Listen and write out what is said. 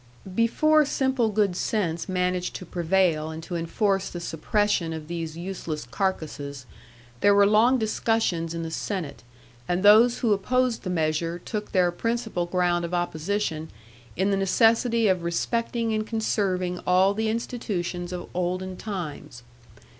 Before simple good sense managed to prevail and to enforce the suppression of these useless carcasses, there were long discussions in the senate, and those who opposed the measure took their principal ground of opposition in the necessity of respecting and conserving all the institutions of olden times.